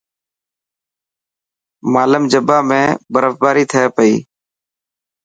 مالم جبا ۾ برف باري ٿي پئي.